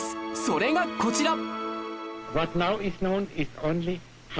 それがこちら！